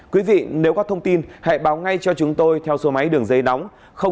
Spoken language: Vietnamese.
quý vị nếu có thông tin hãy báo ngay cho chúng tôi theo số máy đường dây đóng